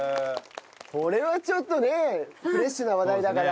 これはちょっとねフレッシュな話題だから。